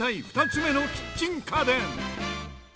２つ目のキッチン家電。